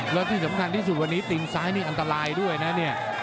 แล้วที่สำคัญที่สุดวันนี้ตินซ้ายนี่อันตรายด้วยนะเนี่ย